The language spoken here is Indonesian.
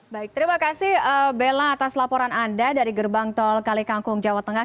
baik terima kasih bella atas laporan anda dari gerbang tol kalikangkung jawa tengah